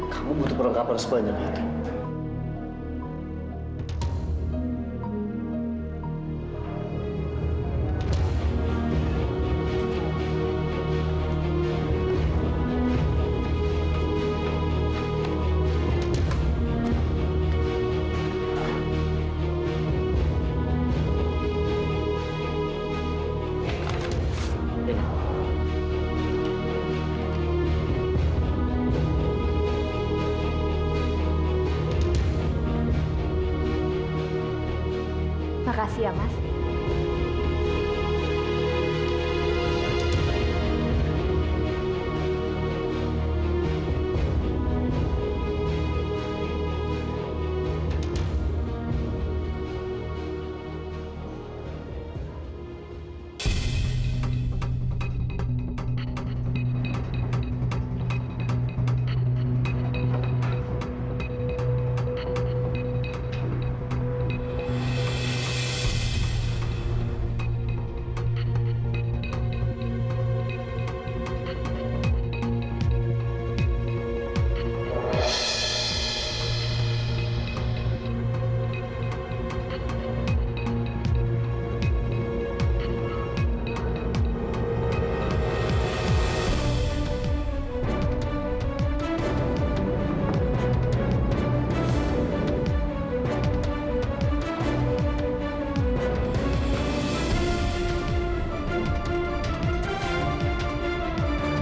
kamu butuh perlengkapan sepanjang hati